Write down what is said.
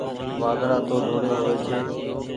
وآڌڙآ تو ڌوڙي هووي ڇي۔